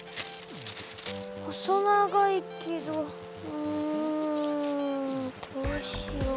細長いけどうんどうしよう。